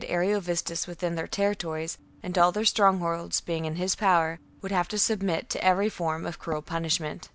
Ariovistus within their territories, and all their strongholds being in his power, would have to submit to every form of cruel punishment.